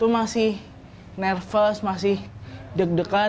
masih nervous masih deg degan